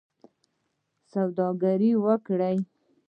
سوداګري وکړئ